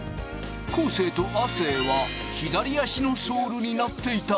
生と亜生は左足のソールになっていた！